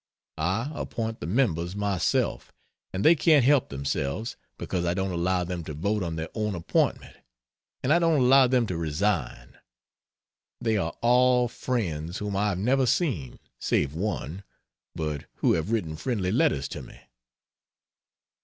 I appoint the Members myself, and they can't help themselves, because I don't allow them to vote on their own appointment and I don't allow them to resign! They are all friends whom I have never seen (save one), but who have written friendly letters to me.